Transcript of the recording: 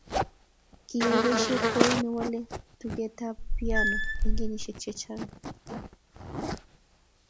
Kiyayai boisiet kou newolei tugetap piano eng kenyisiek chechang